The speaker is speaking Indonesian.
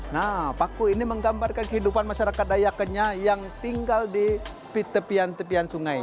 nah paku ini menggambarkan kehidupan masyarakat daya kenyal yang tinggal di tepian tepian sungai